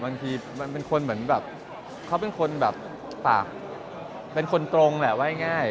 บางทีมันเป็นคนเหมือนแบบเขาเป็นคนแบบปากเป็นคนตรงแหละว่าง่าย